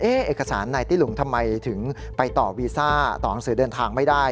เอกสารนายตี้หลุงทำไมถึงไปต่อวีซ่าต่อหนังสือเดินทางไม่ได้